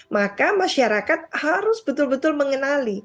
maka masyarakat harus betul betul mengenali